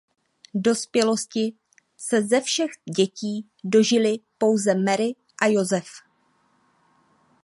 Dospělosti se ze všech dětí dožili pouze Mary a Joseph.